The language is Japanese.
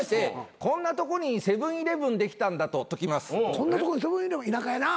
こんなとこにセブン―イレブン田舎やな